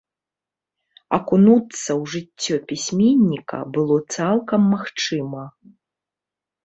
Акунуцца ў жыццё пісьменніка было цалкам магчыма.